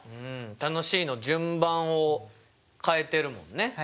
「楽しい」の順番を変えてるもんね。